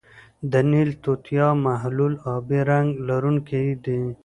د نیل توتیا محلول آبی رنګ لرونکی دی.